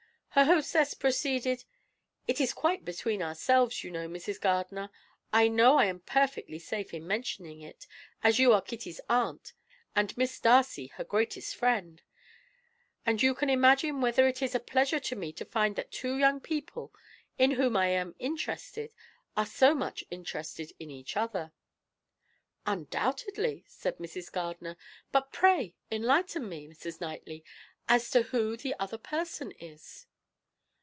Her hostess proceeded: "It is quite between ourselves, you know, Mrs. Gardiner; I know I am perfectly safe in mentioning it, as you are Kitty's aunt and Miss Darcy her greatest friend; and you can imagine whether it is a pleasure to me to find that two young people in whom I am interested are so much interested in each other." "Undoubtedly," said Mrs. Gardiner; "but pray enlighten me, Mrs. Knightley, as to who the other person is."